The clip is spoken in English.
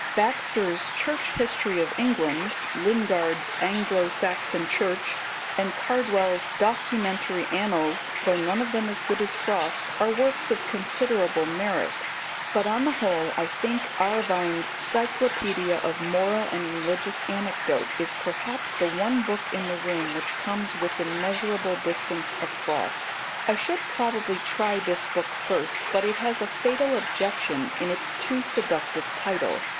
Baxter's Church History of England, Lingard's Anglo Saxon Church, and Cardwell's Documentary Annals, though none of them as good as Frost, are works of considerable merit; but on the whole I think Arvine's Cyclopedia of Moral and Religious Anecdote is perhaps the one book in the room which comes within measurable distance of Frost. I should probably try this book first, but it has a fatal objection in its too seductive title.